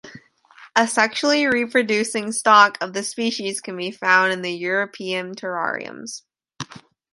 A sexually reproducing stock of the species can be found in the European terrariums.